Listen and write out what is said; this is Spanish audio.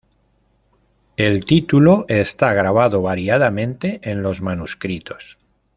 El título está grabado variadamente en los manuscritos.